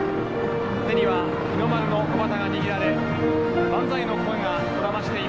手には日の丸の小旗が握られ万歳の声がこだましています。